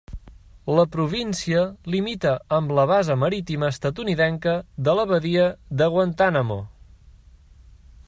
La província limita amb la base marítima estatunidenca de la Badia de Guantánamo.